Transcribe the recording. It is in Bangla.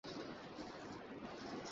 বাইরে চলে যা।